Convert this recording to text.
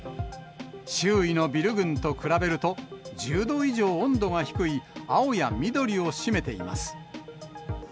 周囲のビル群と比べると、１０度以上温度が低い、青や緑を占めています。